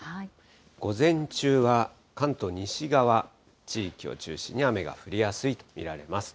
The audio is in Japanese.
午前中は関東西側地域を中心に雨が降りやすいと見られます。